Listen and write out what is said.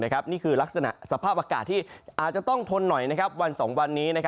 นี่คือลักษณะสภาพอากาศที่อาจจะต้องทนหน่อยวัน๒วันนี้